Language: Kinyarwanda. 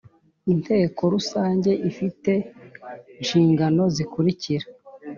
Inteko rusange ifite nshingano zikurikira